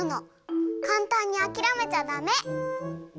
かんたんにあきらめちゃダメ。